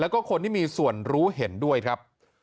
แล้วก็คนที่มีส่วนรู้เห็นด้วยครับ